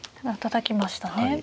たたきましたね。